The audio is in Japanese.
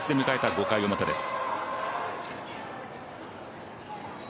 ５回表です。